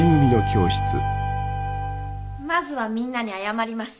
まずはみんなに謝ります。